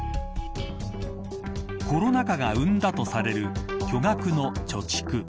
コロナ禍が生んだとされる巨額の貯蓄。